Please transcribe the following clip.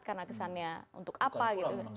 karena kesannya untuk apa gitu